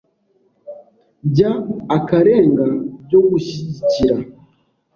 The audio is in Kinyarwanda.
bya akarenga byo gushyigikira